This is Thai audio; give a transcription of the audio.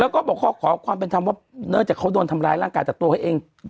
แล้วก็บอกเขาก็ขอขอความเป็นธรรมว่าเนอะแต่เขาโดนทำรายร่างกายจากตัวเอง